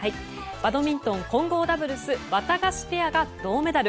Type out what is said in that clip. バドミントン混合ダブルスワタガシペアが銅メダル。